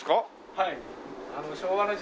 はい。